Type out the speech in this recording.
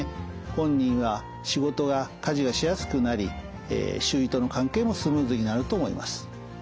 本人は仕事や家事がしやすくなり周囲との関係もスムーズになると思います。